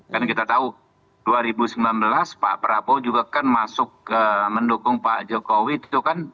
karena kita tahu dua ribu sembilan belas pak prabowo juga kan masuk mendukung pak jokowi itu kan